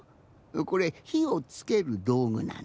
これひをつけるどうぐなの。